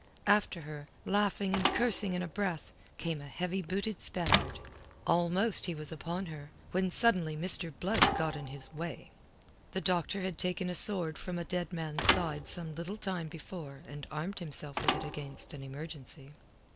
After her, laughing and cursing in a breath, came a heavy booted Spaniard. Almost he was upon her, when suddenly Mr. Blood got in his way. The doctor had taken a sword from a dead man's side some little time before and armed himself with it against an emergency.